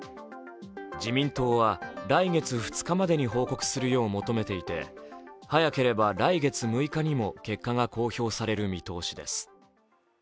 自民党は来月２日までに報告するよう求めていて早ければ来月６日にも結果が公表される見通しです。